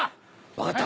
わかった。